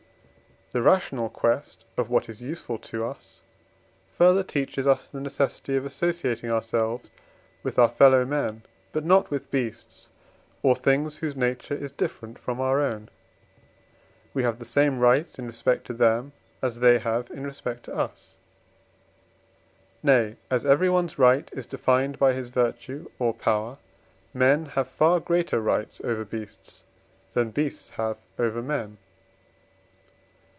The rational quest of what is useful to us further teaches us the necessity of associating ourselves with our fellow men, but not with beasts, or things, whose nature is different from our own; we have the same rights in respect to them as they have in respect to us. Nay, as everyone's right is defined by his virtue, or power, men have far greater rights over beasts than beasts have over men.